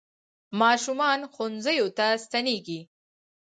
ماشومان ښوونځیو ته ستنېږي.